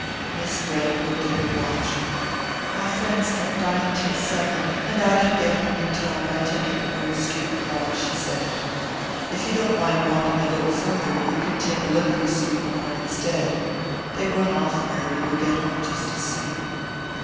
Miss Brent looked at her watch. "My friends don't dine till seven, and I can get home in time by taking a Grove Street car," she said. "If you don't mind walking a little farther you can take a Liberty Street car instead. They run oftener, and you will get home just as soon."